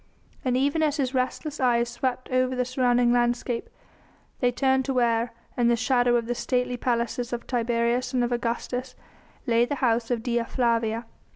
And even as his restless eyes swept over the surrounding landscape, they turned to where, in the shadow of the stately palaces of Tiberius and of Augustus, lay the house of Dea Flavia.